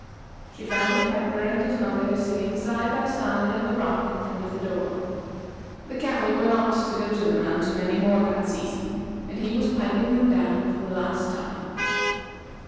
She found the piper and his mother sitting side by side on the rock in front of the door. The cattle were not to go to the mountain any more that season, and he was piping them down for the last time.